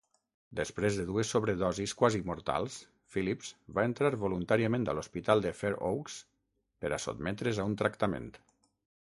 Després de dues sobredosis quasi-mortals, Phillips va entrar voluntàriament a l'hospital de Fair Oaks per sotmetre's a un tractament.